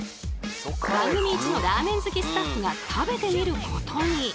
番組イチのラーメン好きスタッフが食べてみることに。